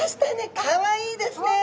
かわいいですね。